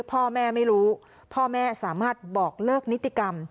พ่อแม่ไม่รู้พ่อแม่สามารถบอกเลิกนิติกรรม